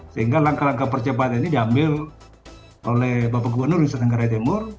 sehingga langkah langkah percepatan ini diambil oleh bapak gubernur nusa tenggara timur